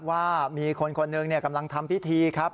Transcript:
ว่ามีคนคนหนึ่งกำลังทำพิธีครับ